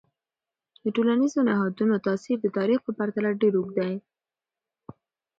د ټولنیزو نهادونو تاثیر د تاریخ په پرتله ډیر اوږد دی.